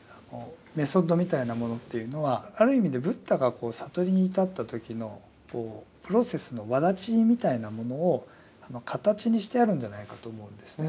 メソッドみたいなものっていうのはある意味でブッダが悟りに至った時のプロセスの轍みたいなものを形にしてあるんじゃないかと思うんですね。